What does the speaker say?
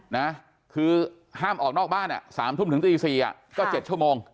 นะคือห้ามออกนอกบ้านอ่ะ๓ทุ่มถึงตี๔อ่ะก็๗ชั่วโมง